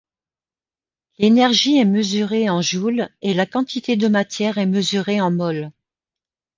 L'énergie est mesurée en joules et la quantité de matière est mesurée en moles.